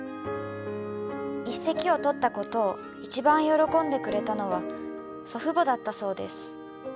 一席を取ったことを一番喜んでくれたのは祖父母だったそうです。